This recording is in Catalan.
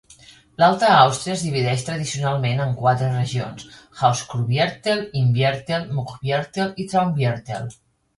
L'Alta Àustria es divideix tradicionalment en quatre regions: Hausruckviertel, Innviertel, Mühlviertel, i Traunviertel.